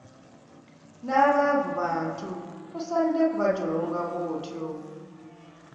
N'abaavu bantu tosaanidde kubajolonga bw'otyo.